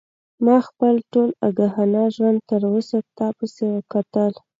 ما خپل ټول آګاهانه ژوند تر اوسه تا پسې کتل.